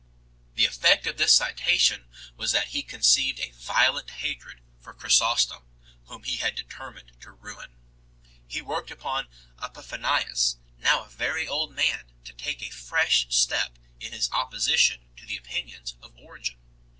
The effect of this citation was that he conceived a violent hatred for Chrysostom, whom he determined to ruin. He worked upon Epiphanius, now a very old man, to take a fresh step in his opposition to the opinions of Origen.